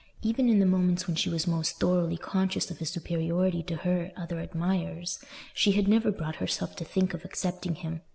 Even in the moments when she was most thoroughly conscious of his superiority to her other admirers, she had never brought herself to think of accepting him.